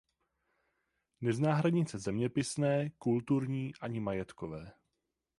Nezná hranice zeměpisné, kulturní ani majetkové.